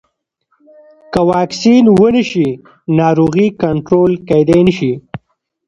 که واکسین ونه شي، ناروغي کنټرول کېدای نه شي.